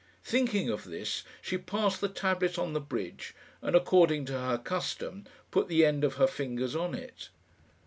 Thinking of this she passed the tablet on the bridge, and, according to her custom, put the end of her fingers on it.